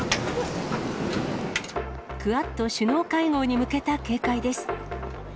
クアッド首脳会合に向けた警戒です。